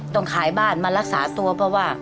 ต้องขายบ้านมารักษาตัวเพราะว่า